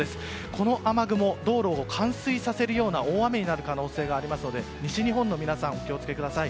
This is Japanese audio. この雨雲は道路を冠水させるような大雨になる可能性がありますので西日本の皆さんお気を付けください。